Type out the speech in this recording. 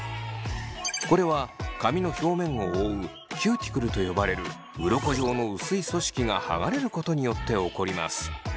これは髪の表面を覆うキューティクルと呼ばれるうろこ状の薄い組織が剥がれることによって起こります。